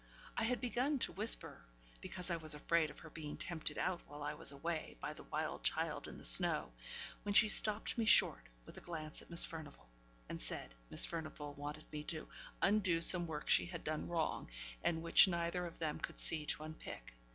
I had begun to whisper, 'Because I was afraid of her being tempted out while I was away, by the wild child in the snow,' when she stopped me short (with a glance at Miss Furnivall), and said Miss Furnivall wanted me to undo some work she had done wrong, and which neither of them could see to unpick.